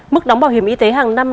mức đóng bảo hiểm y tế hàng năm